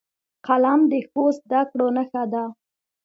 قلم د ښو زدهکړو نښه ده